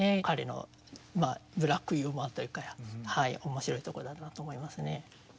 彼のブラックユーモアというか面白いところだなと思いますね。